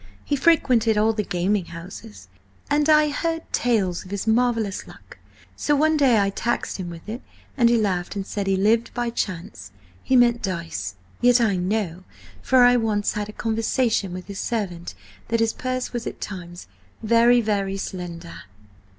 He frequented all the gaming houses, and I heard tales of his marvellous luck, so one day I taxed him with it, and he laughed and said he lived by Chance–he meant dice. Yet I know, for I once had conversation with his servant, that his purse was at times very, very slender."